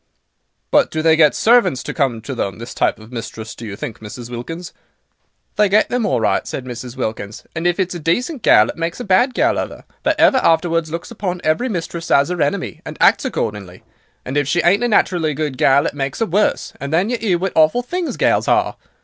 "But do they get servants to come to them, this type of mistress, do you think, Mrs. Wilkins?" I asked. "They get them all right," said Mrs. Wilkins, "and if it's a decent gal, it makes a bad gal of 'er, that ever afterwards looks upon every mistress as 'er enemy, and acts accordingly. And if she ain't a naturally good gal, it makes 'er worse, and then you 'ear what awful things gals are.